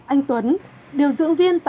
anh tuấn điều dưỡng viên